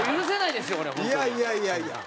いやいやいやいや。